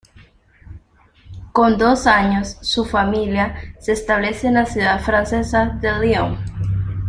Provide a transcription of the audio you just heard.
Con dos años, su familia se establece en la ciudad francesa de Lyon.